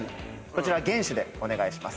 こちらは厳守でお願いします。